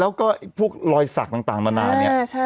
แล้วก็พวกลอยศักดิ์ต่างตอนนี้